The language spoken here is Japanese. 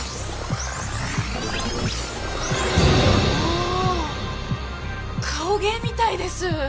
おお！顔芸みたいです！